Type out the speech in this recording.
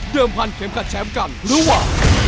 พันเข็มขัดแชมป์กันระหว่าง